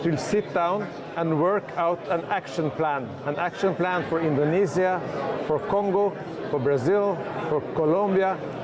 berdiri di bawah dan melakukan rencana beraksi untuk indonesia kongo brazil dan columbia